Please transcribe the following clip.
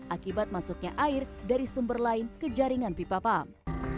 akibat masuknya air dari sumber lain ke jaringan pipa pump